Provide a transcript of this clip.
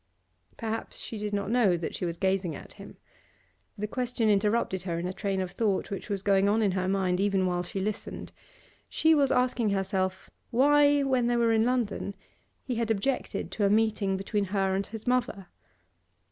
Perhaps she did not know that she was gazing at him. The question interrupted her in a train of thought which was going on in her mind even while she listened. She was asking herself why, when they were in London, he had objected to a meeting between her and his mother.